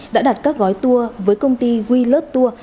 đã đặt các gói tour với công ty we love tour